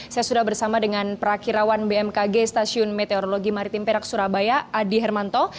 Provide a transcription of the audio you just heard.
saya sudah bersama dengan perakirawan bmkg stasiun meteorologi maritim perak surabaya adi hermanto